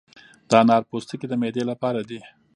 د انار پوستکي د معدې لپاره دي.